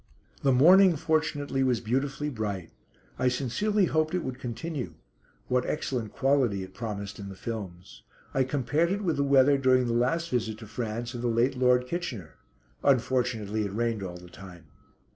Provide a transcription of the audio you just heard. The morning fortunately was beautifully bright. I sincerely hoped it would continue. What excellent quality it promised in the films. I compared it with the weather during the last visit to France of the late Lord Kitchener; unfortunately it rained all the time.